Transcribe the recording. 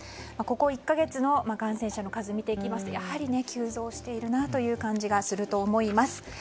ここ１か月の感染者の数を見ていきますとやはり急増しているなという感じがすると思います。